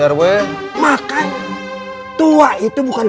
saya jadi bingung pak ustadz